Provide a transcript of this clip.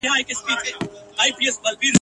خدایه ستا پر ښکلې مځکه له مقامه ګیله من یم ..